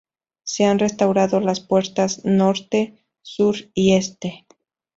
Se han restaurado las puertas norte, sur y este.